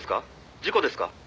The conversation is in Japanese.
事故ですか？」